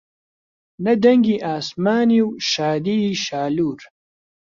نە دەنگی ئاسمانی و شادیی شالوور